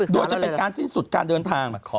โดยจะเป็นการสิ้นสุดการเดินทาง